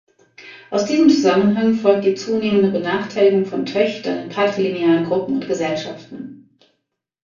Aus diesem Zusammenhang folgt die zunehmende Benachteiligung von Töchtern in patrilinearen Gruppen und Gesellschaften.